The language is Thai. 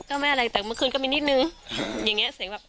ก็ไม่อะไรก็เมื่อคืนก็มีนิดนึง